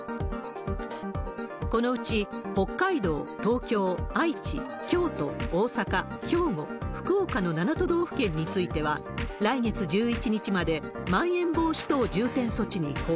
このうち、北海道、東京、愛知、京都、大阪、兵庫、福岡の７都道府県については、来月１１日までまん延防止等重点措置に移行。